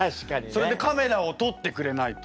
それでカメラを撮ってくれないと。